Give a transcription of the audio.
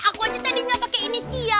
aku aja tadi gak pake ini sih ya